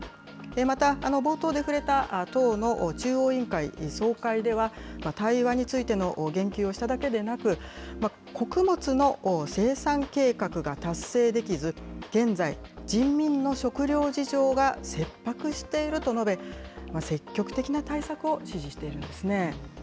また、冒頭で触れた党の中央委員会総会では、対話についての言及をしただけでなく、穀物の生産計画が達成できず、現在、人民の食糧事情が切迫していると述べ、積極的な対策を指示しているんですね。